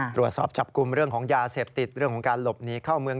ตรวจสอบจับกลุ่มเรื่องของยาเสพติดเรื่องของการหลบหนีเข้าเมือง